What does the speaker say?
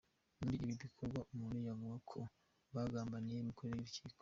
Muri ibi bikorwa, umuntu yavuga ko yagambaniye imikorere y’urukiko.